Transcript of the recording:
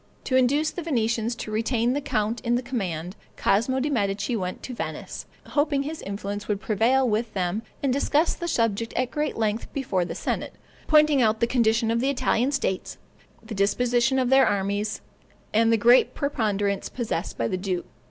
To induce the Venetians to retain the count in the command, Cosmo de' Medici went to Venice, hoping his influence would prevail with them, and discussed the subject at great length before the senate, pointing out the condition of the Italian states, the disposition of their armies, and the great preponderance possessed by the duke.